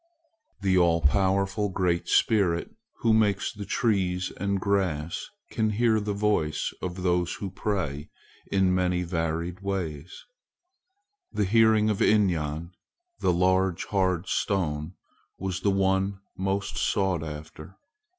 The all powerful Great Spirit, who makes the trees and grass, can hear the voice of those who pray in many varied ways. The hearing of Inyan, the large hard stone, was the one most sought after.